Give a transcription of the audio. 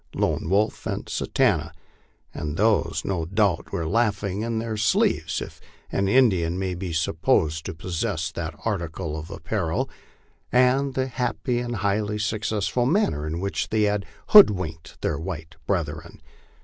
Lone Wolf and Satanta, and these no doubt were laugh ing in their sleeves, if an Indian may be supposed to possess that article of ap parel, at the happy and highly successful manner in which they had hood winked their white brethren.